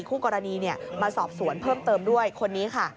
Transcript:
คู่กรณีมาสอบสวนเพิ่มเติมด้วยคนนี้ค่ะ